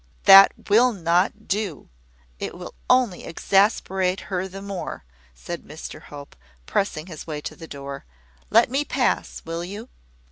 "That will not do. It will only exasperate her the more," said Mr Hope, pressing his way to the door. "Let me pass, will you?"